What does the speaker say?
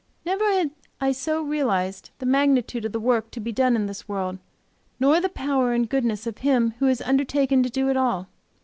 Never had I so realized the magnitude of the work to be done in this world, nor the power and goodness of Him who has undertaken to do it all.